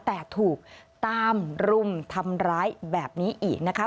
แต่ถูกตามรุมทำร้ายแบบนี้อีกนะคะ